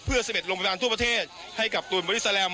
เพื่อเสบ็ทรงประเทศให้กับตูนบอริสาแลม